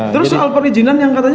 terus soal perizinan yang katanya